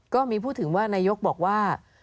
ก็มีพูดถึงว่านายกบอกว่า